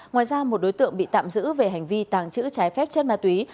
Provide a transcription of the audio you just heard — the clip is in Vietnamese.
ngoài ra một đối tượng bị tạm giữ về hành vi tàng trữ trái phép chất ma túy